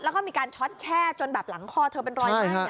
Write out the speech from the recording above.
แล้วก็มีการช็อตแช่จนแบบหลังคอเธอเป็นรอยไหม้